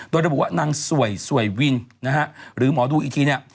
โดยเรียกว่านางสวยสวยวินหรือหมอดูอีที